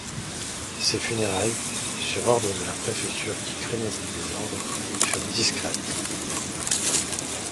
Ses funérailles, sur ordre de la préfecture qui craignait des désordres, furent discrètes.